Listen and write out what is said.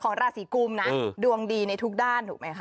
ราศีกุมนะดวงดีในทุกด้านถูกไหมคะ